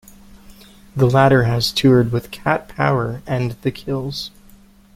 The latter has toured with Cat Power and the Kills.